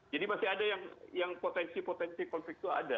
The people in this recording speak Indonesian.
jadi masih ada yang potensi potensi konflik itu ada